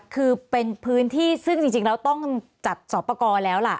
คือเป็นพื้นที่ซึ่งจริงแล้วต้องจัดสอบประกอบแล้วล่ะ